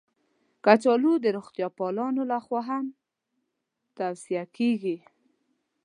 کچالو د روغتیا پالانو لخوا هم توصیه کېږي